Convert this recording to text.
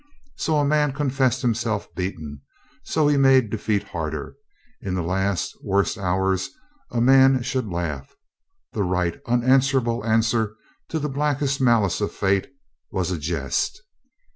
So a man confessed himself beaten, so he made defeat harder. In the last, worst hours a man should laugh. The right, unanswerable answer to the blackest ma lice of fate was a jest.